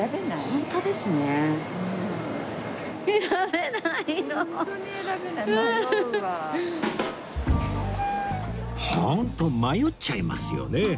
ホント迷っちゃいますよね